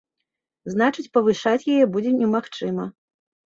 Значыць, павышаць яе будзе немагчыма.